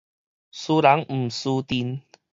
輸人毋輸陣